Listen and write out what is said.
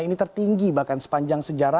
ini tertinggi bahkan sepanjang sejarah